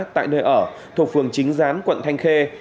tại nơi ở thuộc phường chính gián quận thanh khê